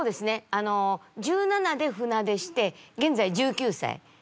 あの１７で船出して現在１９歳なんですね。